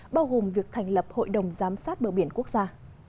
bao gồm việc thành lập hội đồng giám sát bờ biển quốc gia